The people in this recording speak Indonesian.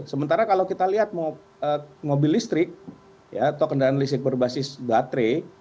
sementara kalau kita lihat mobil listrik atau kendaraan listrik berbasis baterai